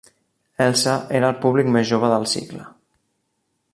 Elsa era el públic més jove del cicle.